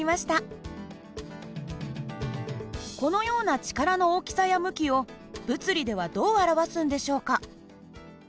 このような力の大きさや向きを物理ではどう表すんでしょうか？